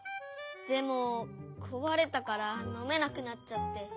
でもこわれたからのめなくなっちゃって。